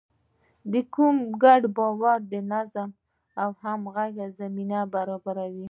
ګډ باور د نظم او همغږۍ زمینه برابروي.